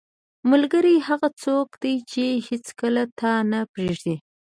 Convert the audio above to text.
• ملګری هغه څوک دی چې هیڅکله تا نه پرېږدي.